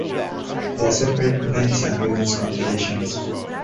There are separate men's and women's competitions.